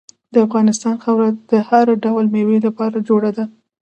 د افغانستان خاوره د هر ډول میوې لپاره جوړه ده.